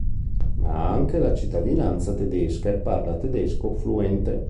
Ha anche la cittadinanza tedesca e parla tedesco fluente.